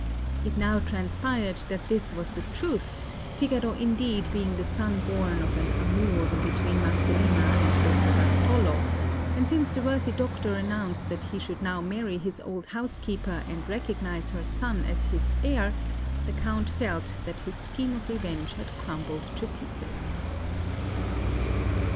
It now transpired that this was the truth, Figaro indeed being the son born of an amour between Marcellina and Dr Bartolo; and since the worthy doctor announced that he should now marry his old housekeeper and recognise her son as his heir, the Count felt that his scheme of revenge had crumbled to pieces.